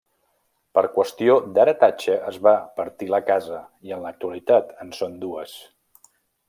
Per qüestió d'heretatge es va partir la casa i en l'actualitat en són dues.